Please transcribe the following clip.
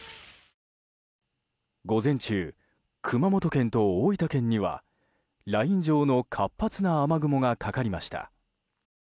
午前中、熊本県と大分県にはライン状の活発な雨雲がかかりました。